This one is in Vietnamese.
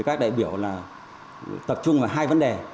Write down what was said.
các đại biểu tập trung vào hai vấn đề